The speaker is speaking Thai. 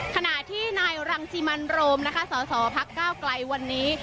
ขณะที่นายรังสิมันโรมนะคะสสพักก้าวไกลวันนี้